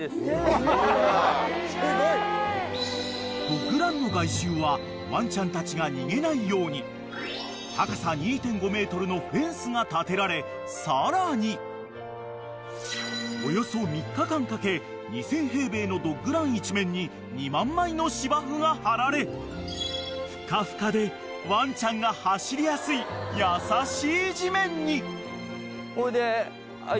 ［ドッグランの外周はワンちゃんたちが逃げないように高さ２．５ｍのフェンスが建てられさらにおよそ３日間かけ２，０００平米のドッグラン一面に２万枚の芝生が張られふかふかでワンちゃんが走りやすい優しい地面に］ほいで。